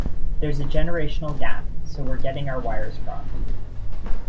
There's a generational gap, so we're getting our wires crossed.